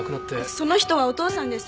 その人はお父さんです。